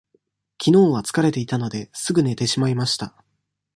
きのうは疲れていたので、すぐ寝てしまいました。